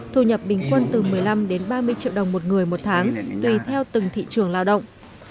thu nhập bình quân từ một mươi năm đến ba mươi triệu đồng một người một tháng tùy theo từng thị trường lao động